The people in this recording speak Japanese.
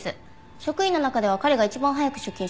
職員の中では彼が一番早く出勤していました。